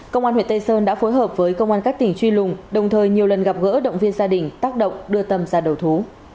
công an huyện tây sơn đã phối hợp với công an các tỉnh truy lùng đồng thời nhiều lần gặp gỡ động viên gia đình tác động đưa tâm ra đầu thú